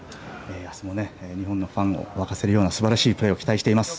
明日も日本のファンを沸かせるような素晴らしいプレーを期待しています。